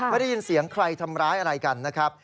ไม่ได้ยินเสียงใครทำร้ายอะไรกันนะครับ